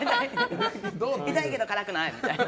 痛いけど辛くないみたいな。